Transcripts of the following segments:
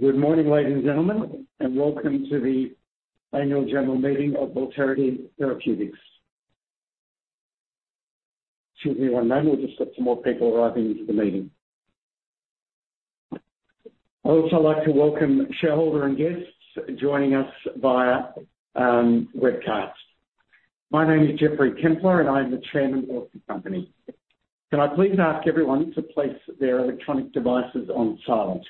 Good morning, ladies and gentlemen, and welcome to the Annual General Meeting of Alterity Therapeutics. Excuse me one moment. We'll just let some more people arrive into the meeting. I'd also like to welcome shareholder and guests joining us via webcast. My name is Geoffrey Kempler, and I am the Chairman of the company. Can I please ask everyone to place their electronic devices on silent?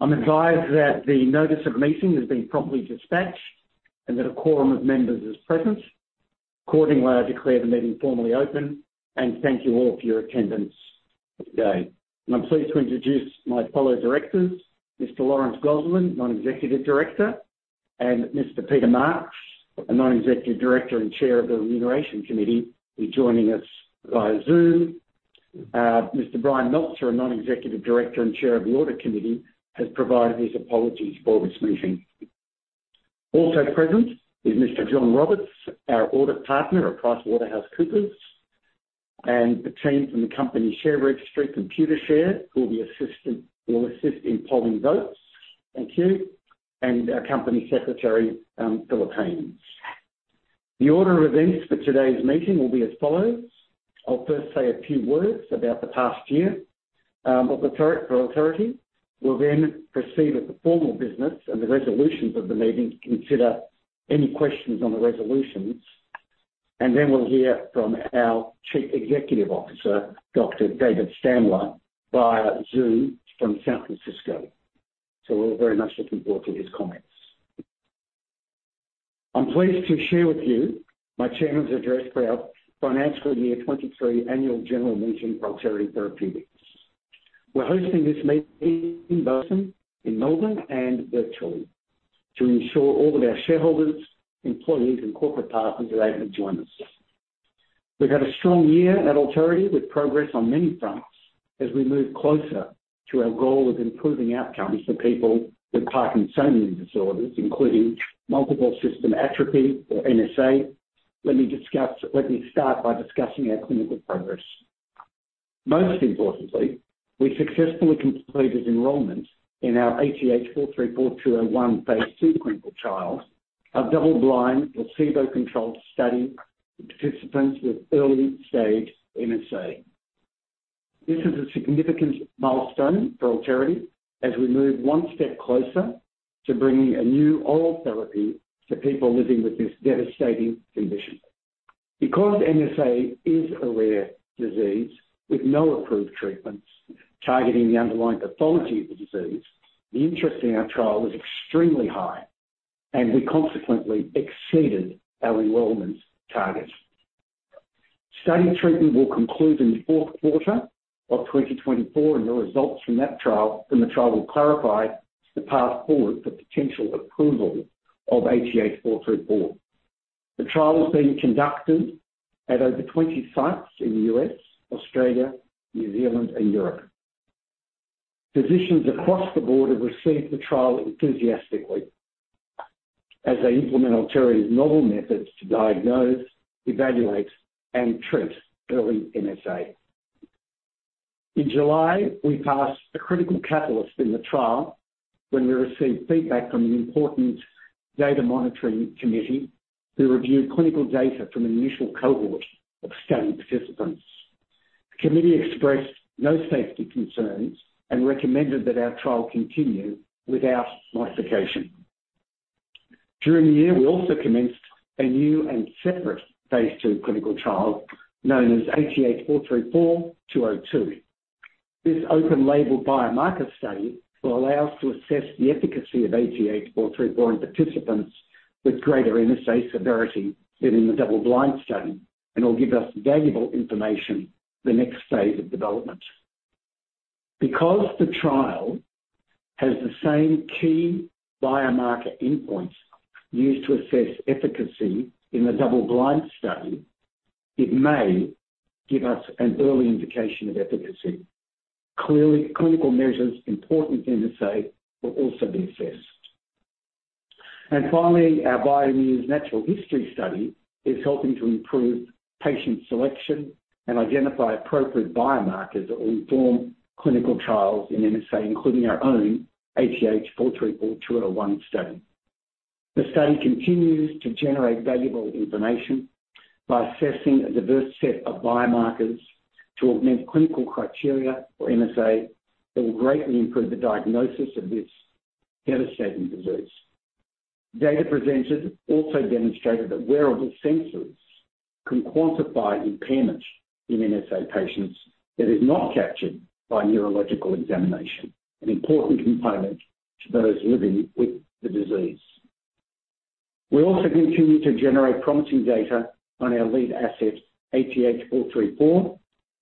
I'm advised that the notice of meeting has been properly dispatched and that a quorum of members is present. Accordingly, I declare the meeting formally open, and thank you all for your attendance today. I'm pleased to introduce my fellow directors, Mr. Lawrence Gozlan, Non-Executive Director, and Mr. Peter Marks, a Non-Executive Director and Chair of the Remuneration Committee, who's joining us via Zoom. Mr. Brian Meltzer, a Non-Executive Director and Chair of the Audit Committee, has provided his apologies for this meeting. Also present is Mr. Jon Roberts, our audit partner at PricewaterhouseCoopers, and the team from the company share registry, Computershare, who will assist in polling votes. Thank you. Our Company Secretary, Phillip Hains. The order of events for today's meeting will be as follows: I'll first say a few words about the past year of Alterity. We'll then proceed with the formal business and the resolutions of the meeting to consider any questions on the resolutions. Then we'll hear from our Chief Executive Officer, Dr. David Stamler, via Zoom from San Francisco. So we're very much looking forward to his comments. I'm pleased to share with you my chairman's address for our financial year 2023 annual general meeting for Alterity Therapeutics. We're hosting this meeting in person, in Melbourne, and virtually, to ensure all of our shareholders, employees, and corporate partners are able to join us. We've had a strong year at Alterity, with progress on many fronts as we move closer to our goal of improving outcomes for people with Parkinsonian disorders, including Multiple System Atrophy, or MSA. Let me start by discussing our clinical progress. Most importantly, we successfully completed enrollment in our ATH434-201 phase II clinical trial, a double-blind, placebo-controlled study for participants with early-stage MSA. This is a significant milestone for Alterity as we move one step closer to bringing a new oral therapy to people living with this devastating condition. Because MSA is a rare disease with no approved treatments targeting the underlying pathology of the disease, the interest in our trial is extremely high, and we consequently exceeded our enrollment targets. Study treatment will conclude in the fourth quarter of 2024, and the results from that trial, from the trial, will clarify the path forward for potential approval of ATH434. The trial is being conducted at over 20 sites in the U.S., Australia, New Zealand, and Europe. Physicians across the board have received the trial enthusiastically as they implement Alterity's novel methods to diagnose, evaluate, and treat early MSA. In July, we passed a critical catalyst in the trial when we received feedback from an important data monitoring committee, who reviewed clinical data from an initial cohort of study participants. The committee expressed no safety concerns and recommended that our trial continue without modification. During the year, we also commenced a new and separate phase II clinical trial, known as ATH434-202. This open-label biomarker study will allow us to assess the efficacy of ATH434 in participants with greater MSA severity than in the double-blind study and will give us valuable information for the next phase of development. Because the trial has the same key biomarker endpoints used to assess efficacy in the double-blind study, it may give us an early indication of efficacy. Clearly, clinical measures important in MSA will also be assessed. And finally, our BioMUSE Natural History Study is helping to improve patient selection and identify appropriate biomarkers that will inform clinical trials in MSA, including our own ATH434-201 study. The study continues to generate valuable information by assessing a diverse set of biomarkers to augment clinical criteria for MSA that will greatly improve the diagnosis of this devastating disease. Data presented also demonstrated that wearable sensors can quantify impairment in MSA patients that is not captured by neurological examination, an important component to those living with the disease. We also continue to generate promising data on our lead asset, ATH434.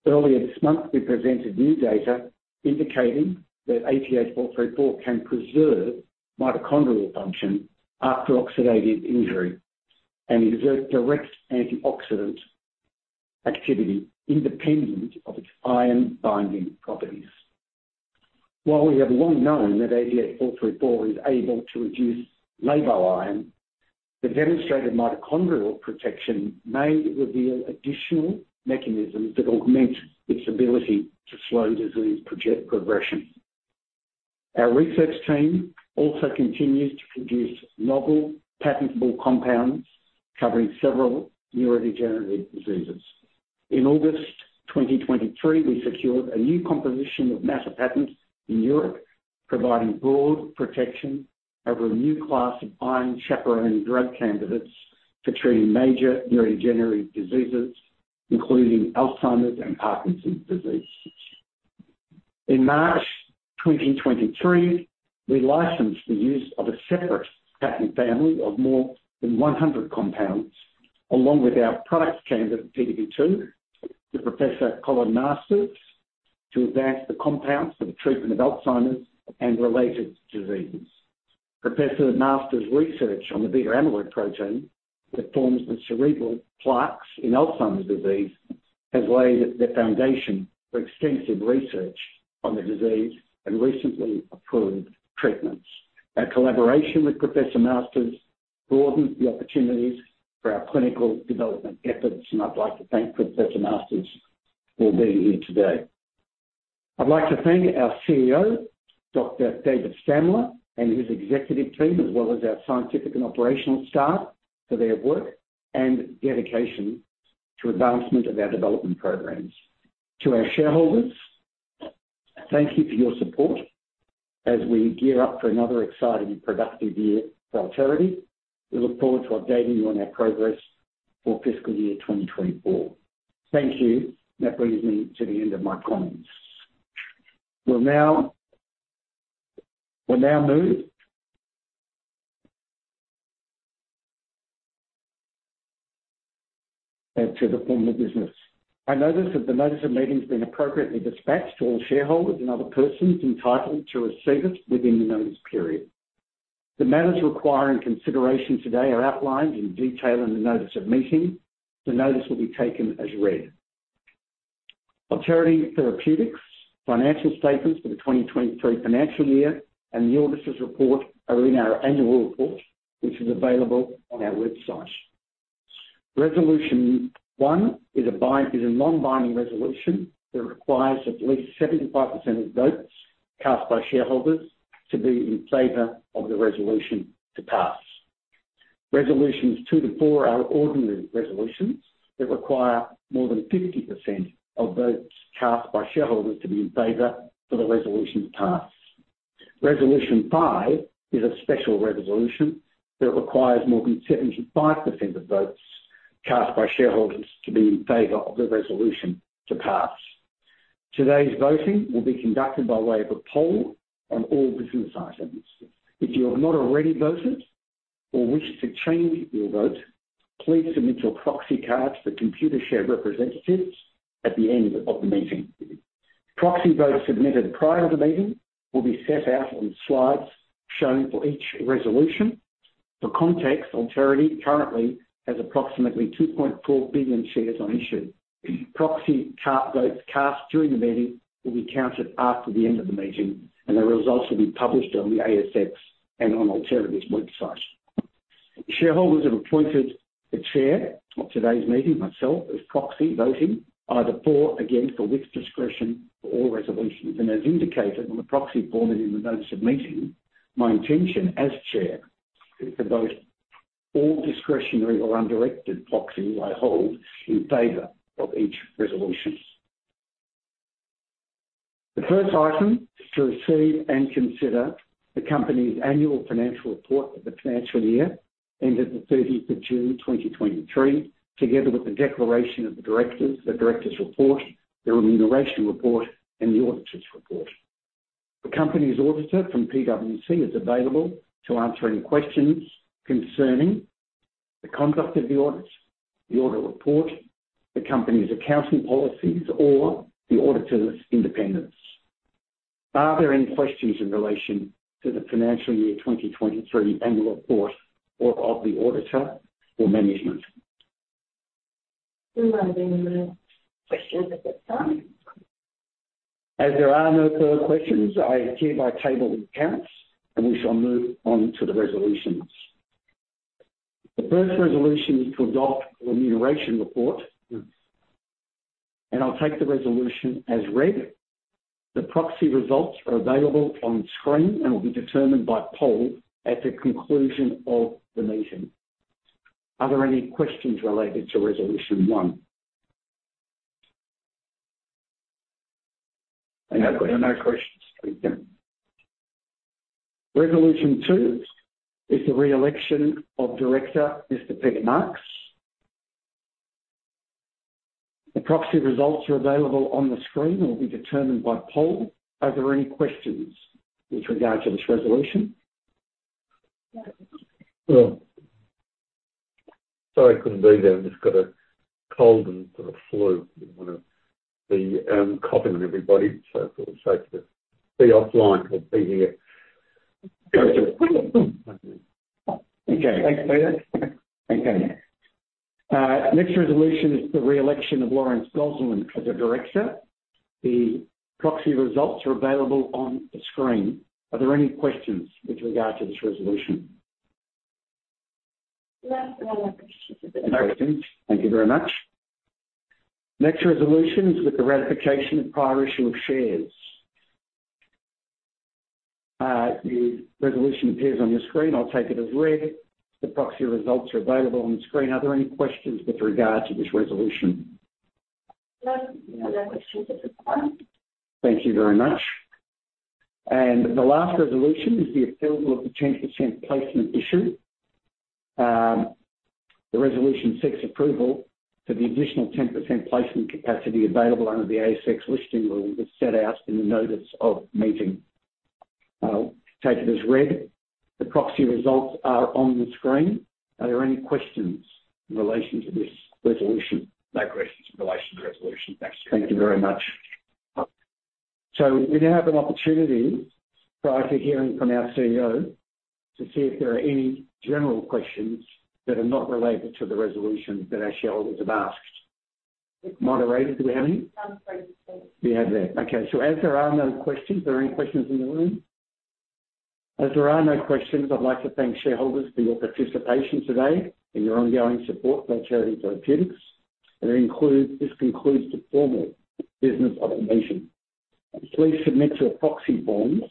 Earlier this month, we presented new data indicating that ATH434 can preserve mitochondrial function after oxidative injury and exert direct antioxidant activity independent of its iron-binding properties. While we have long known that ATH434 is able to reduce labile iron. The demonstrated mitochondrial protection may reveal additional mechanisms that augment its ability to slow disease progression. Our research team also continues to produce novel patentable compounds covering several neurodegenerative diseases. In August 2023, we secured a new composition of matter patents in Europe, providing broad protection over a new class of iron chaperone drug candidates for treating major neurodegenerative diseases, including Alzheimer's and Parkinson's disease. In March 2023, we licensed the use of a separate patent family of more than 100 compounds, along with our product candidate, PBT2, to Professor Colin Masters, to advance the compounds for the treatment of Alzheimer's and related diseases. Professor Masters' research on the beta-amyloid protein that forms the cerebral plaques in Alzheimer's disease has laid the foundation for extensive research on the disease and recently approved treatments. Our collaboration with Professor Masters broadens the opportunities for our clinical development efforts, and I'd like to thank Professor Masters for being here today. I'd like to thank our CEO, Dr. David Stamler, and his executive team, as well as our scientific and operational staff, for their work and dedication to advancement of our development programs. To our shareholders, thank you for your support as we gear up for another exciting and productive year for Alterity. We look forward to updating you on our progress for fiscal year 2024. Thank you. That brings me to the end of my comments. We'll now move to the formal business. I notice that the notice of meeting has been appropriately dispatched to all shareholders and other persons entitled to receive it within the notice period. The matters requiring consideration today are outlined in detail in the notice of meeting. The notice will be taken as read. Alterity Therapeutics' financial statements for the 2023 financial year and the auditor's report are in our annual report, which is available on our website. Resolution one is a non-binding resolution that requires at least 75% of votes cast by shareholders to be in favor of the resolution to pass. Resolutions two to four are ordinary resolutions that require more than 50% of votes cast by shareholders to be in favor for the resolution to pass. Resolution five is a special resolution that requires more than 75% of votes cast by shareholders to be in favor of the resolution to pass. Today's voting will be conducted by way of a poll on all business items. If you have not already voted or wish to change your vote, please submit your proxy cards to Computershare representatives at the end of the meeting. Proxy votes submitted prior to the meeting will be set out on slides shown for each resolution. For context, Alterity currently has approximately 2.4 billion shares on issue. Proxy votes cast during the meeting will be counted after the end of the meeting, and the results will be published on the ASX and on Alterity's website. Shareholders have appointed the chair of today's meeting, myself, as proxy voting, either for, against, or with discretion for all resolutions, and as indicated on the proxy form and in the notice of meeting, my intention as chair is to vote all discretionary or undirected proxy I hold in favor of each resolution. The first item is to receive and consider the company's annual financial report for the financial year ended the 30th of June 2023, together with the declaration of the directors, the directors' report, the remuneration report, and the auditor's report. The company's auditor from PwC is available to answer any questions concerning the conduct of the audit, the audit report, the company's accounting policies, or the auditor's independence. Are there any questions in relation to the financial year 2023 annual report or of the auditor or management? There are no questions at this time. As there are no further questions, I hereby table the accounts, and we shall move on to the resolutions. The first resolution is to adopt the remuneration report, and I'll take the resolution as read. The proxy results are available on screen and will be determined by poll at the conclusion of the meeting. Are there any questions related to resolution one? There are no questions. Resolution two is the re-election of Director, Mr. Peter Marks. The proxy results are available on the screen and will be determined by poll. Are there any questions with regard to this resolution? Well, sorry I couldn't be there. I've just got a cold and sort of flu. Didn't want to be coughing on everybody, so I thought it was safe to be offline than be here. Okay. Thanks, Peter. Thank you. Next resolution is the re-election of Lawrence Gozlan as a director. The proxy results are available on the screen. Are there any questions with regard to this resolution? No, no more questions. No questions. Thank you very much. Next resolution is with the ratification of prior issue of shares. The resolution appears on your screen. I'll take it as read. The proxy results are available on the screen. Are there any questions with regard to this resolution? No, no questions at this time. Thank you very much. The last resolution is the approval of the 10% placement issue. The Resolution 6 approval for the additional 10% placement capacity available under the ASX listing rule was set out in the notice of meeting. I'll take it as read. The proxy results are on the screen. Are there any questions in relation to this resolution? No questions in relation to the resolution. Thanks. Thank you very much. So we now have an opportunity, prior to hearing from our CEO, to see if there are any general questions that are not related to the resolutions that our shareholders have asked. Moderator, do we have any? I'm sorry. We have none. Okay, so as there are no questions, are there any questions in the room? As there are no questions, I'd like to thank shareholders for your participation today and your ongoing support for Alterity Therapeutics. And it includes—this concludes the formal business of the meeting. Please submit your proxy forms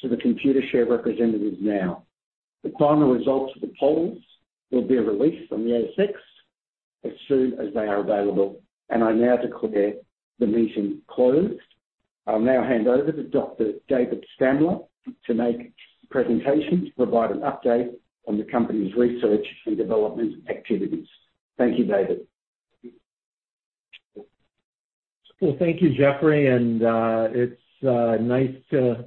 to the Computershare representative now. The final results of the polls will be released on the ASX as soon as they are available, and I now declare the meeting closed. I'll now hand over to Dr. David Stamler to make a presentation, to provide an update on the company's research and development activities. Thank you, David. Well, thank you, Geoffrey, and it's nice to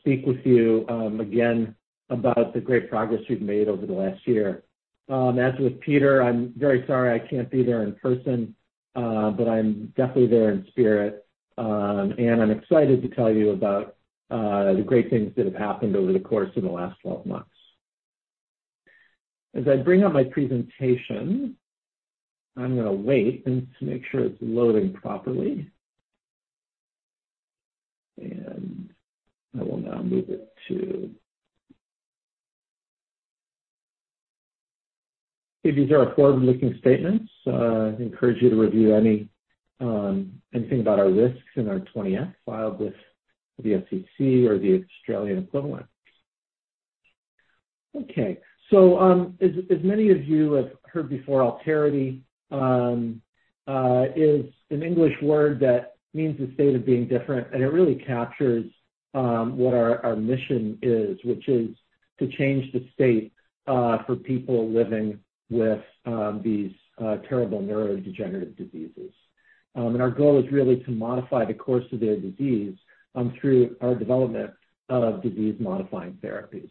speak with you again about the great progress we've made over the last year. As with Peter, I'm very sorry I can't be there in person, but I'm definitely there in spirit, and I'm excited to tell you about the great things that have happened over the course of the last 12 months. As I bring up my presentation, I'm gonna wait and to make sure it's loading properly. I will now move it to... These are our forward-looking statements. I encourage you to review anything about our risks in our 20-F filed with the SEC or the Australian equivalent. Okay, as many of you have heard before, Alterity is an English word that means a state of being different, and it really captures what our mission is, which is to change the state for people living with these terrible neurodegenerative diseases. And our goal is really to modify the course of their disease through our development of disease-modifying therapies.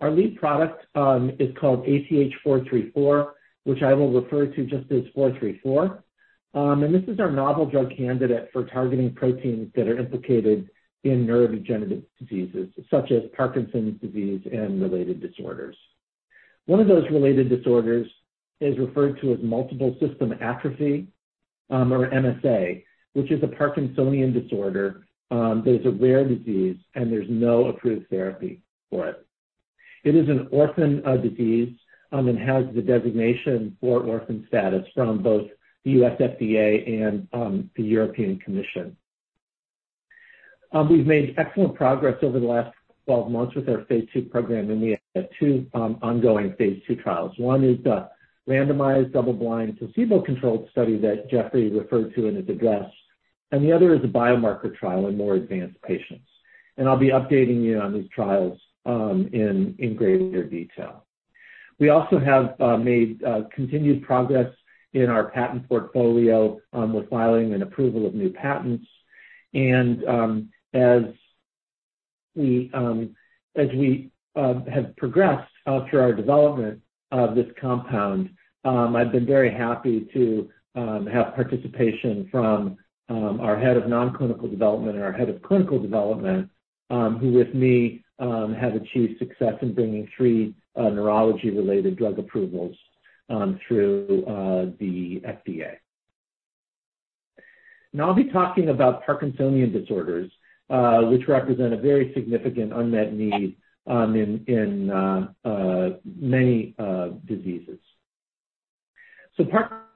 Our lead product is called ATH434, which I will refer to just as 434. And this is our novel drug candidate for targeting proteins that are implicated in neurodegenerative diseases such as Parkinson's disease and related disorders. One of those related disorders is referred to as Multiple System Atrophy, or MSA, which is a Parkinsonian disorder. But it's a rare disease, and there's no approved therapy for it. It is an orphan disease and has the designation for orphan status from both the U.S. FDA and the European Commission. We've made excellent progress over the last 12 months with our phase II program, and we have 2 ongoing phase II trials. One is the randomized, double-blind, placebo-controlled study that Geoffrey referred to in his address, and the other is a biomarker trial in more advanced patients. I'll be updating you on these trials in greater detail. We also have made continued progress in our patent portfolio with filing and approval of new patents. As we have progressed through our development of this compound, I've been very happy to have participation from our head of nonclinical development and our head of clinical development, who with me have achieved success in bringing 3 neurology-related drug approvals through the FDA. Now I'll be talking about Parkinsonian disorders, which represent a very significant unmet need in many diseases.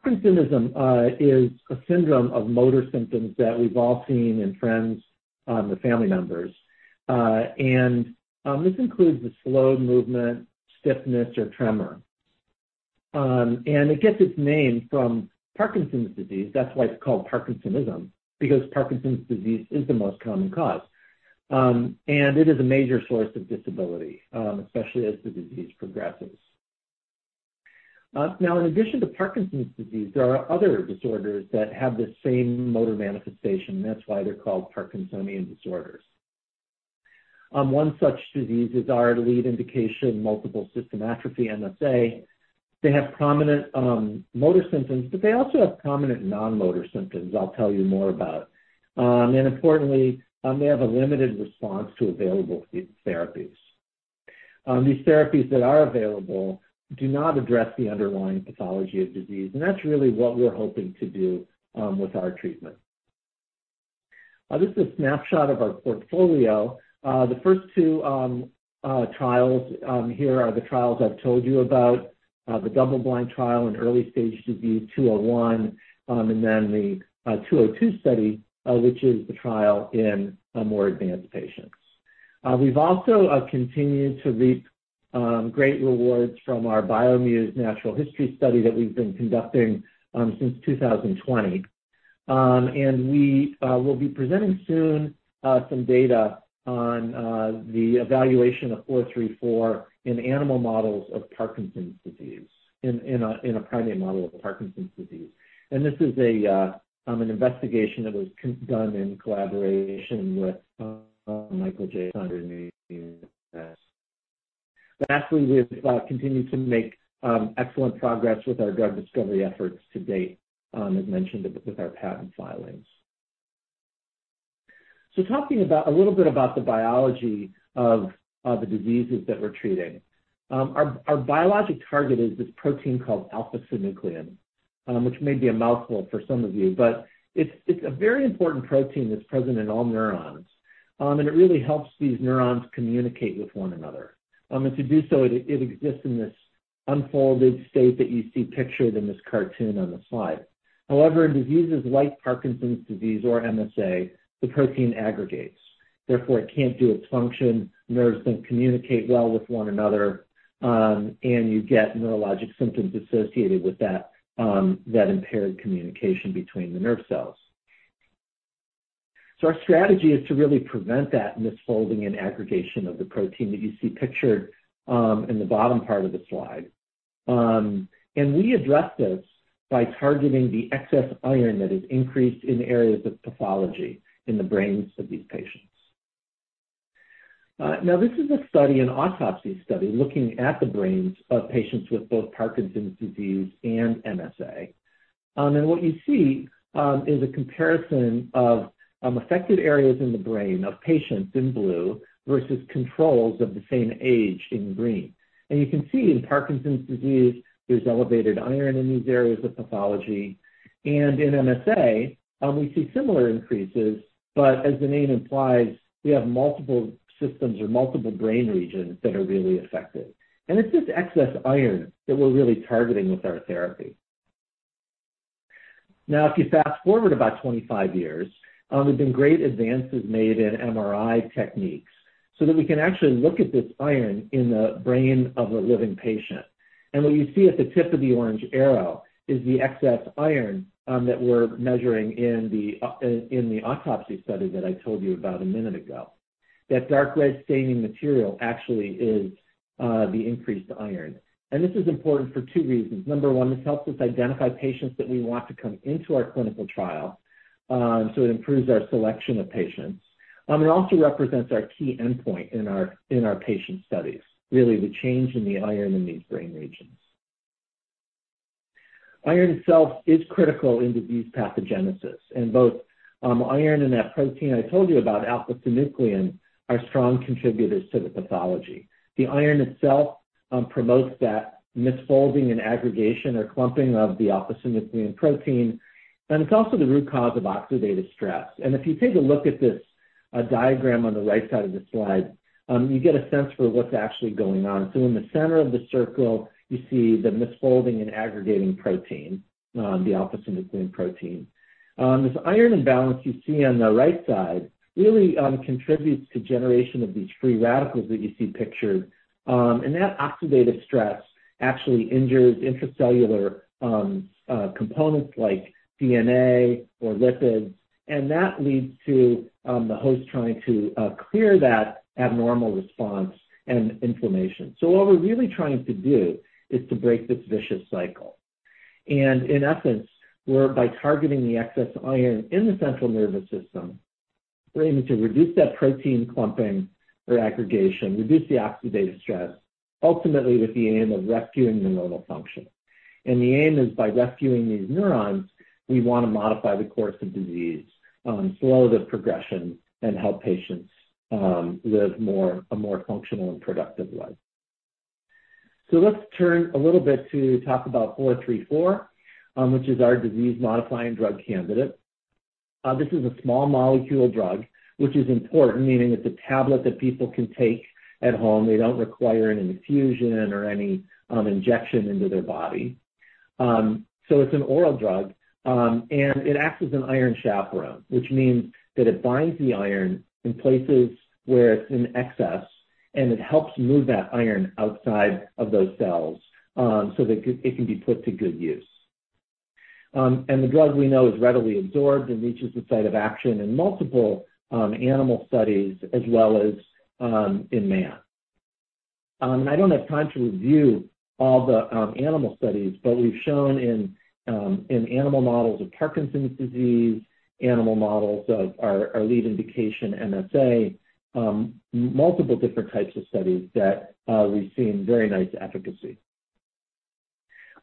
Parkinsonism is a syndrome of motor symptoms that we've all seen in friends or family members. And this includes the slow movement, stiffness, or tremor. And it gets its name from Parkinson's disease. That's why it's called Parkinsonism, because Parkinson's disease is the most common cause. And it is a major source of disability, especially as the disease progresses. Now in addition to Parkinson's disease, there are other disorders that have the same motor manifestation. That's why they're called Parkinsonian disorders. One such disease is our lead indication, Multiple System Atrophy, MSA. They have prominent motor symptoms, but they also have prominent non-motor symptoms I'll tell you more about. And importantly, they have a limited response to available therapies. These therapies that are available do not address the underlying pathology of disease, and that's really what we're hoping to do with our treatment. This is a snapshot of our portfolio. The first two trials here are the trials I've told you about. The double-blind trial in early-stage disease, 201, and then the 202 study, which is the trial in more advanced patients. We've also continued to reap great rewards from our BioMUSE Natural History Study that we've been conducting since 2020. We will be presenting soon some data on the evaluation of 434 in animal models of Parkinson's disease, in a primate model of Parkinson's disease. This is an investigation that was conducted in collaboration with Michael J. Fox. Lastly, we've continued to make excellent progress with our drug discovery efforts to date, as mentioned, with our patent filings. Talking about a little bit about the biology of the diseases that we're treating. Our biologic target is this protein called alpha-synuclein, which may be a mouthful for some of you, but it's a very important protein that's present in all neurons. It really helps these neurons communicate with one another. To do so, it exists in this unfolded state that you see pictured in this cartoon on the slide. However, in diseases like Parkinson's disease or MSA, the protein aggregates, therefore it can't do its function. Nerves don't communicate well with one another, and you get neurologic symptoms associated with that impaired communication between the nerve cells. So our strategy is to really prevent that misfolding and aggregation of the protein that you see pictured in the bottom part of the slide. We address this by targeting the excess iron that is increased in areas of pathology in the brains of these patients. Now, this is a study, an autopsy study, looking at the brains of patients with both Parkinson's disease and MSA. And what you see is a comparison of affected areas in the brain of patients in blue versus controls of the same age in green. And you can see in Parkinson's disease, there's elevated iron in these areas of pathology. And in MSA, we see similar increases, but as the name implies, we have multiple systems or multiple brain regions that are really affected, and it's just excess iron that we're really targeting with our therapy. Now, if you fast-forward about 25 years, there's been great advances made in MRI techniques so that we can actually look at this iron in the brain of a living patient. And what you see at the tip of the orange arrow is the excess iron that we're measuring in the autopsy study that I told you about a minute ago. That dark red staining material actually is, the increased iron. This is important for two reasons. Number one, this helps us identify patients that we want to come into our clinical trial. So it improves our selection of patients. It also represents our key endpoint in our patient studies, really the change in the iron in these brain regions. Iron itself is critical in disease pathogenesis, and both, iron and that protein I told you about, alpha-synuclein, are strong contributors to the pathology. The iron itself, promotes that misfolding and aggregation or clumping of the alpha-synuclein protein, and it's also the root cause of oxidative stress. If you take a look at this, a diagram on the right side of the slide, you get a sense for what's actually going on. So in the center of the circle, you see the misfolding and aggregating protein, the alpha-synuclein protein. This iron imbalance you see on the right side really contributes to generation of these free radicals that you see pictured. And that oxidative stress actually injures intracellular components like DNA or lipids, and that leads to the host trying to clear that abnormal response and inflammation. So what we're really trying to do is to break this vicious cycle. And in essence, we're by targeting the excess iron in the central nervous system, we're aiming to reduce that protein clumping or aggregation, reduce the oxidative stress, ultimately with the aim of rescuing the normal function. The aim is by rescuing these neurons, we want to modify the course of disease, slow the progression, and help patients, live more, a more functional and productive life. Let's turn a little bit to talk about ATH434, which is our disease-modifying drug candidate. This is a small molecule drug, which is important, meaning it's a tablet that people can take at home. They don't require an infusion or any, injection into their body. It's an oral drug, and it acts as an iron chaperone, which means that it binds the iron in places where it's in excess, and it helps move that iron outside of those cells, so that it can be put to good use. And the drug we know is readily absorbed and reaches the site of action in multiple animal studies as well as in man. And I don't have time to review all the animal studies, but we've shown in animal models of Parkinson's disease, animal models of our lead indication, MSA, multiple different types of studies that we've seen very nice efficacy....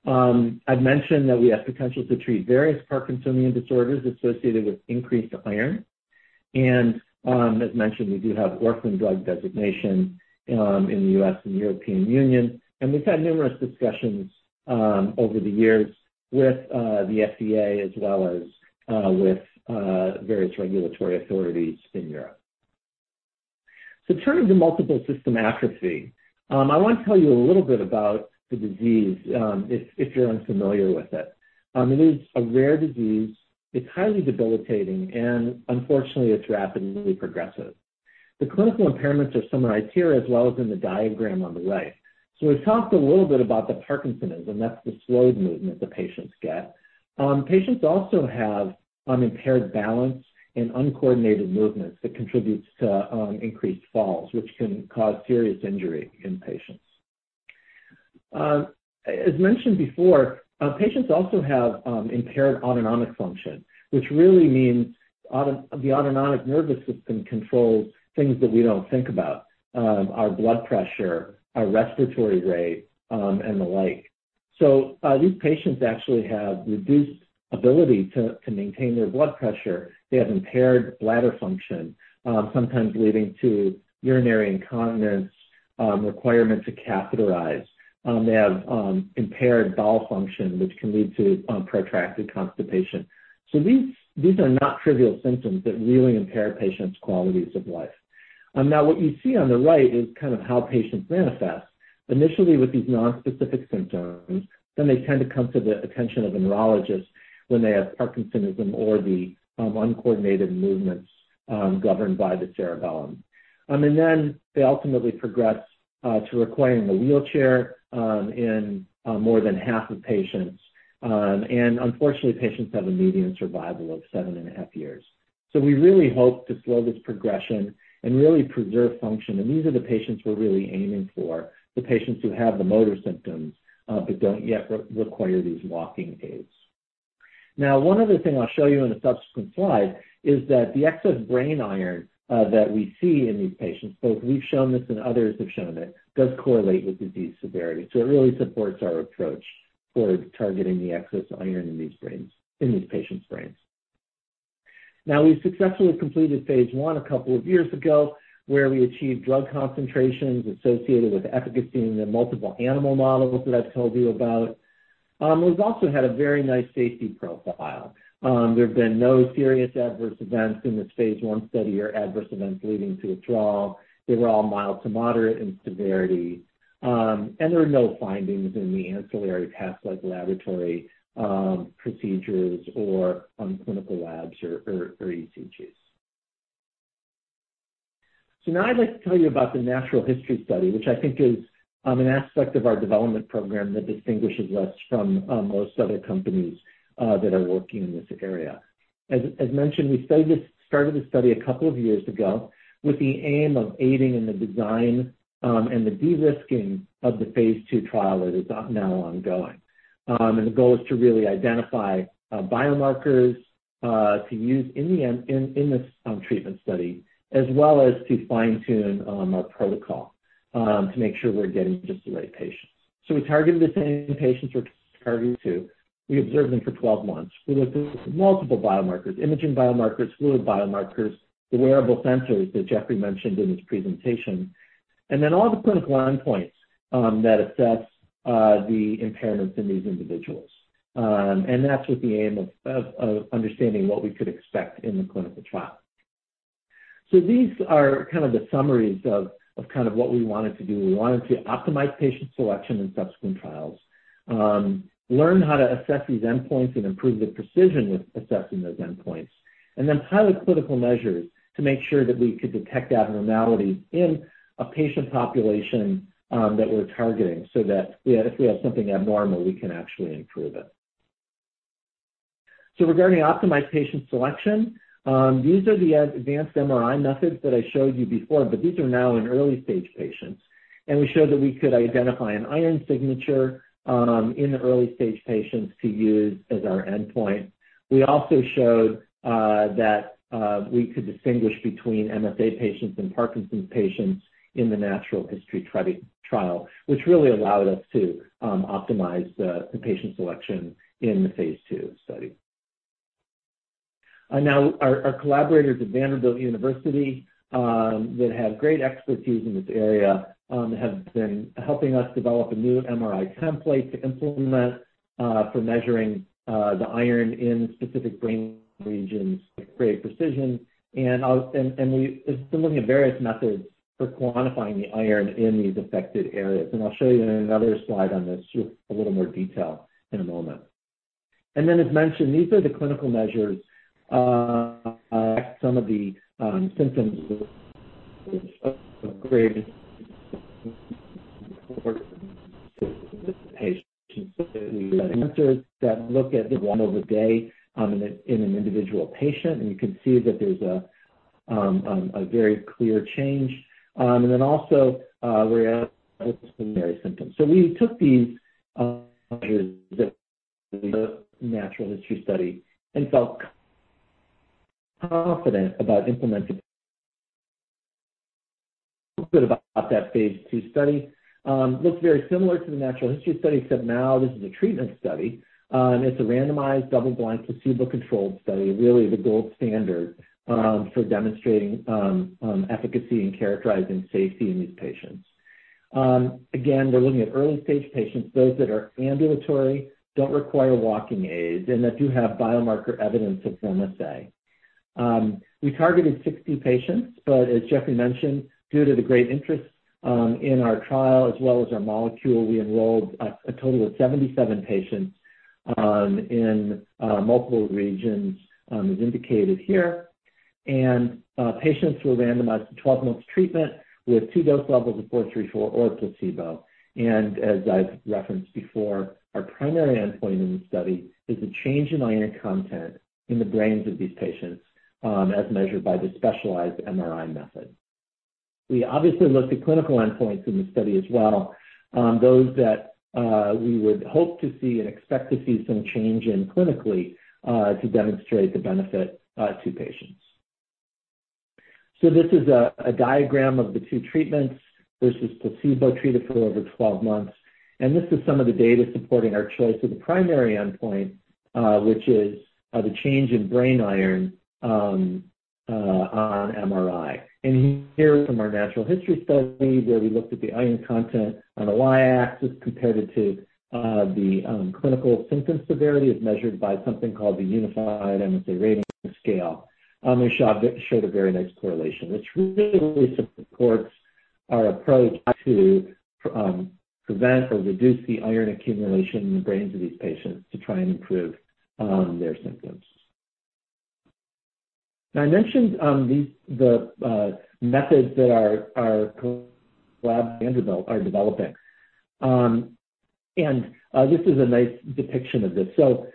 I've mentioned that we have potential to treat various Parkinsonian disorders associated with increased iron. And as mentioned, we do have Orphan Drug designation in the U.S. and European Union, and we've had numerous discussions over the years with the FDA as well as with various regulatory authorities in Europe. So turning to Multiple System Atrophy, I want to tell you a little bit about the disease, if you're unfamiliar with it. It is a rare disease. It's highly debilitating, and unfortunately, it's rapidly progressive. The clinical impairments are summarized here as well as in the diagram on the right. So we've talked a little bit about the Parkinsonism, that's the slowed movement the patients get. Patients also have impaired balance and uncoordinated movements that contributes to increased falls, which can cause serious injury in patients. As mentioned before, patients also have impaired autonomic function, which really means the autonomic nervous system controls things that we don't think about, our blood pressure, our respiratory rate, and the like. So these patients actually have reduced ability to maintain their blood pressure. They have impaired bladder function, sometimes leading to urinary incontinence, requirement to catheterize. They have impaired bowel function, which can lead to protracted constipation. So these, these are not trivial symptoms that really impair patients' qualities of life. Now, what you see on the right is kind of how patients manifest. Initially, with these nonspecific symptoms, then they tend to come to the attention of a neurologist when they have parkinsonism or the uncoordinated movements governed by the cerebellum. I mean, then they ultimately progress to requiring a wheelchair in more than half of patients. And unfortunately, patients have a median survival of 7.5 years. So we really hope to slow this progression and really preserve function. These are the patients we're really aiming for, the patients who have the motor symptoms, but don't yet require these walking aids. Now, one other thing I'll show you in a subsequent slide is that the excess brain iron that we see in these patients, both we've shown this and others have shown it, does correlate with disease severity. So it really supports our approach toward targeting the excess iron in these brains, in these patients' brains. Now, we successfully completed phase I a couple of years ago, where we achieved drug concentrations associated with efficacy in the multiple animal models that I've told you about. We've also had a very nice safety profile. There have been no serious adverse events in this phase I study or adverse events leading to withdrawal. They were all mild to moderate in severity. There were no findings in the ancillary tests, like laboratory procedures or on clinical labs or ECGs. So now I'd like to tell you about the natural history study, which I think is an aspect of our development program that distinguishes us from most other companies that are working in this area. As mentioned, we started this study a couple of years ago, with the aim of aiding in the design and the de-risking of the phase II trial that is now ongoing. And the goal is to really identify biomarkers to use in the end, in this treatment study, as well as to fine-tune our protocol to make sure we're getting just the right patients. So we targeted the same patients we're targeting to. We observed them for 12 months. We looked at multiple biomarkers, imaging biomarkers, fluid biomarkers, the wearable sensors that Geoffrey mentioned in his presentation, and then all the clinical endpoints that assess the impairments in these individuals. And that's with the aim of understanding what we could expect in the clinical trial. So these are kind of the summaries of kind of what we wanted to do. We wanted to optimize patient selection in subsequent trials, learn how to assess these endpoints and improve the precision with assessing those endpoints, and then pilot clinical measures to make sure that we could detect abnormalities in a patient population that we're targeting, so that if we have something abnormal, we can actually improve it. So regarding optimized patient selection, these are the advanced MRI methods that I showed you before, but these are now in early-stage patients. And we showed that we could identify an iron signature in the early-stage patients to use as our endpoint. We also showed that we could distinguish between MSA patients and Parkinson's patients in the natural history trial, which really allowed us to optimize the patient selection in the phase II study. And now our collaborators at Vanderbilt University that have great expertise in this area have been helping us develop a new MRI template to implement for measuring the iron in specific brain regions with great precision. And we have been looking at various methods for quantifying the iron in these affected areas. I'll show you in another slide on this a little more detail in a moment. Then, as mentioned, these are the clinical measures, some of the symptoms of MSA patients that look at the one over day in an individual patient, and you can see that there's a very clear change. Then also, we have secondary symptoms. So we took these measures, the natural history study, and felt confident about implementing. A little bit about that phase II study. Looks very similar to the natural history study, except now this is a treatment study. And it's a randomized, double-blind, placebo-controlled study, really the gold standard for demonstrating efficacy and characterizing safety in these patients. Again, we're looking at early-stage patients, those that are ambulatory, don't require walking aids, and that do have biomarker evidence of MSA. We targeted 60 patients, but as Geoffrey mentioned, due to the great interest in our trial as well as our molecule, we enrolled a total of 77 patients in multiple regions, as indicated here. Patients were randomized to 12 months treatment, with 2 dose levels of ATH434 or placebo. As I've referenced before, our primary endpoint in the study is a change in iron content in the brains of these patients, as measured by the specialized MRI method. We obviously looked at clinical endpoints in the study as well, those that we would hope to see and expect to see some change in clinically to demonstrate the benefit to patients. This is a diagram of the two treatments versus placebo treated for over 12 months, and this is some of the data supporting our choice of the primary endpoint, which is the change in brain iron on MRI. Here, from our natural history study, where we looked at the iron content on the y-axis compared to the clinical symptom severity, as measured by something called the Unified MSA Rating Scale. It showed a very nice correlation, which really supports our approach to prevent or reduce the iron accumulation in the brains of these patients to try and improve their symptoms. I mentioned these methods that our lab at Vanderbilt are developing. This is a nice depiction of this. So,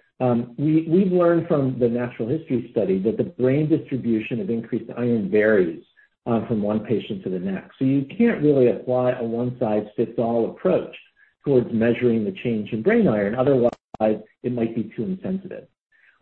we've learned from the natural history study that the brain distribution of increased iron varies from one patient to the next. You can't really apply a one-size-fits-all approach towards measuring the change in brain iron. Otherwise, it might be too insensitive.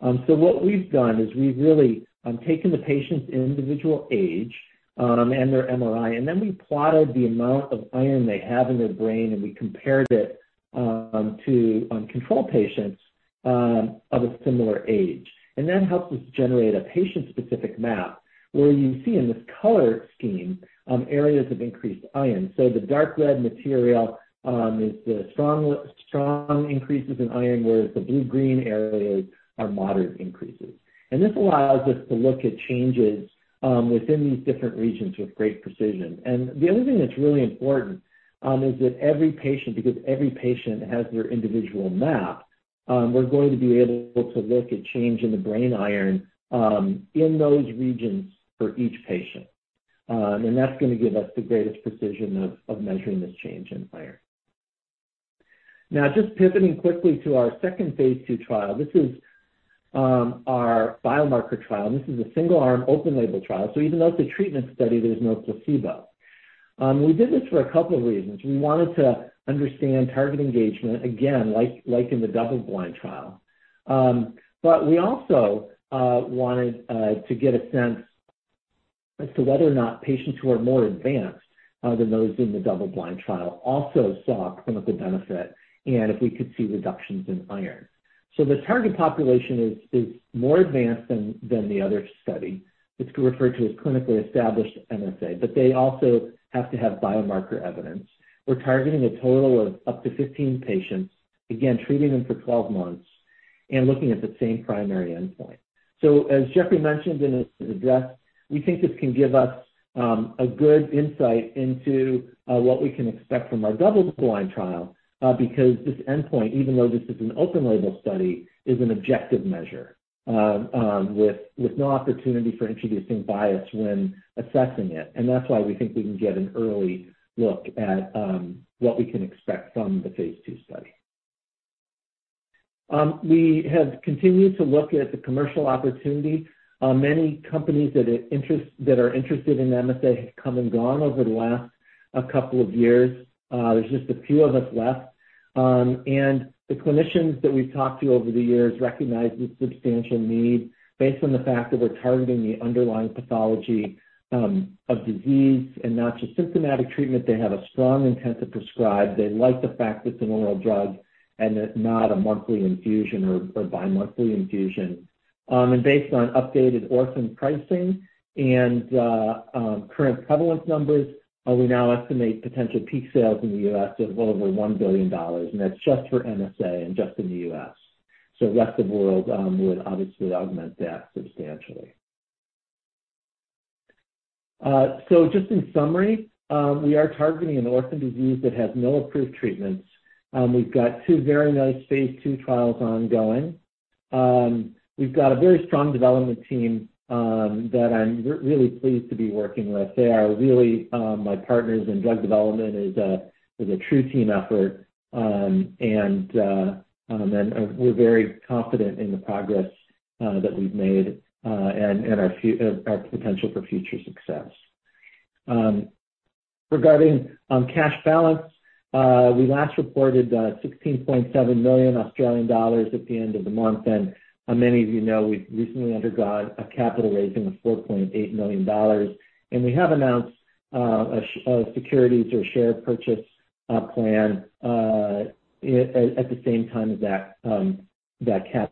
What we've done is we've really taken the patient's individual age and their MRI, and then we plotted the amount of iron they have in their brain, and we compared it to control patients of a similar age. And that helps us generate a patient-specific map, where you see in this color scheme areas of increased iron. The dark red material is the strong, strong increases in iron, whereas the blue-green areas are moderate increases. And this allows us to look at changes within these different regions with great precision. The other thing that's really important is that every patient, because every patient has their individual map, we're going to be able to look at change in the brain iron in those regions for each patient. And that's gonna give us the greatest precision of measuring this change in iron. Now, just pivoting quickly to our second phase II trial. This is our biomarker trial. This is a single-arm, open-label trial. So even though it's a treatment study, there's no placebo. We did this for a couple of reasons. We wanted to understand target engagement, again, like, like in the double-blind trial. We also wanted to get a sense as to whether or not patients who are more advanced than those in the double-blind trial also saw a clinical benefit, and if we could see reductions in iron. The target population is more advanced than the other study. It's referred to as clinically established MSA, but they also have to have biomarker evidence. We're targeting a total of up to 15 patients, again, treating them for 12 months and looking at the same primary endpoint. As Geoffrey mentioned in his address, we think this can give us a good insight into what we can expect from our double-blind trial because this endpoint, even though this is an open-label study, is an objective measure with no opportunity for introducing bias when assessing it. And that's why we think we can get an early look at what we can expect from the phase II study. We have continued to look at the commercial opportunity. Many companies that are interested in MSA have come and gone over the last couple of years. There's just a few of us left. And the clinicians that we've talked to over the years recognize the substantial need based on the fact that we're targeting the underlying pathology of disease and not just symptomatic treatment. They have a strong intent to prescribe. They like the fact it's an oral drug and it's not a monthly infusion or bimonthly infusion. And based on updated orphan pricing and current prevalence numbers, we now estimate potential peak sales in the U.S. of well over $1 billion, and that's just for MSA and just in the U.S. So rest of world would obviously augment that substantially. So just in summary, we are targeting an orphan disease that has no approved treatments. We've got two very nice phase II trials ongoing. We've got a very strong development team that I'm really pleased to be working with. They are really my partners in drug development. It is a true team effort. And we're very confident in the progress that we've made and our potential for future success. Regarding cash balance. We last reported 16.7 million Australian dollars at the end of the month, and many of you know, we've recently undergone a capital raising of 4.8 million dollars. And we have announced a securities or share purchase plan at the same time as that cap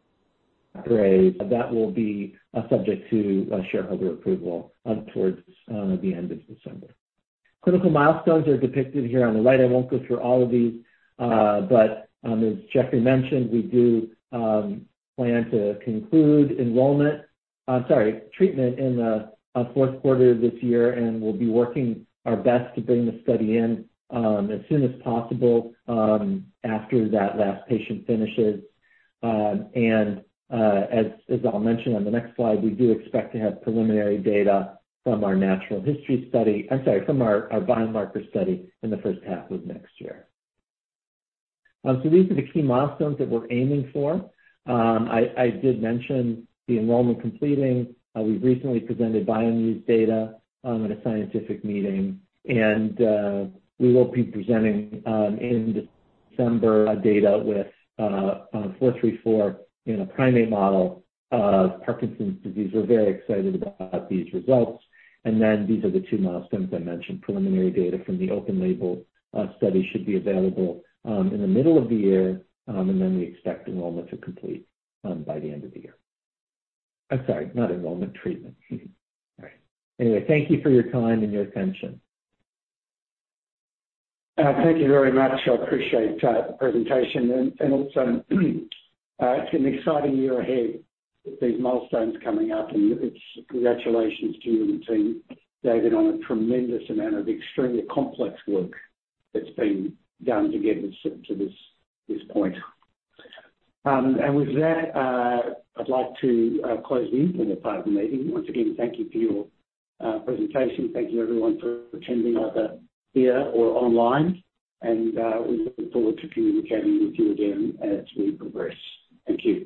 raise. That will be subject to a shareholder approval towards the end of December. Clinical milestones are depicted here on the right. I won't go through all of these, but as Geoffrey mentioned, we do plan to conclude enrollment, I'm sorry, treatment in the fourth quarter of this year, and we'll be working our best to bring the study in as soon as possible after that last patient finishes. As I'll mention on the next slide, we do expect to have preliminary data from our natural history study. I'm sorry, from our biomarker study in the first half of next year. So these are the key milestones that we're aiming for. I did mention the enrollment completing. We've recently presented BioMUSE data at a scientific meeting, and we will be presenting in December data with ATH434 in a primate model of Parkinson's disease. We're very excited about these results. And then these are the two milestones I mentioned. Preliminary data from the open-label study should be available in the middle of the year, and then we expect enrollment to complete by the end of the year. I'm sorry, not enrollment, treatment. Anyway, thank you for your time and your attention. Thank you very much. I appreciate the presentation, and also, it's an exciting year ahead with these milestones coming up, and it's congratulations to you and the team, David, on a tremendous amount of extremely complex work that's been done to get us to this point. With that, I'd like to close the open part of the meeting. Once again, thank you for your presentation. Thank you, everyone, for attending either here or online, and we look forward to communicating with you again as we progress. Thank you.